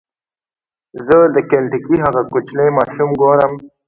زه د کینټکي هغه کوچنی ماشوم ګورم.